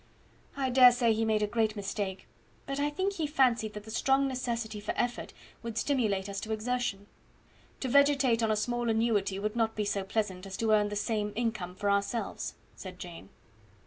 "I dare say he made a great mistake; but I think he fancied that the strong necessity for effort would stimulate us to exertion. To vegetate on a small annuity would not be so pleasant as to earn even the same income for ourselves," said Jane.